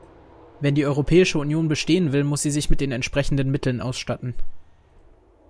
Wenn die Europäische Union bestehen will, muss sie sich mit den entsprechenden Mitteln ausstatten.